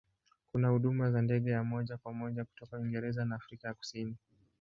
Kuna huduma za ndege ya moja kwa moja kutoka Uingereza na Afrika ya Kusini.